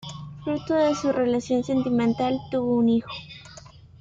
Fruto de su relación sentimental, tuvo un hijo.